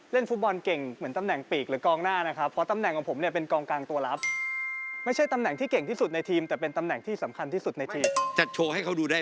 เชื่อไหมในระหว่างที่เราส่งให้เขาอยู่นะ